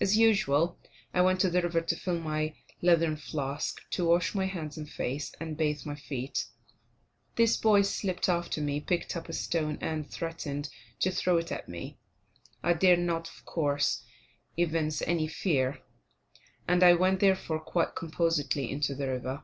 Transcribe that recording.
As usual, I went to the river to fill my leathern flask, to wash my hands and face, and bathe my feet. This boy slipped after me, picked up a stone, and threatened to throw it at me. I dare not, of course, evince any fear; and I went, therefore, quite composedly into the river.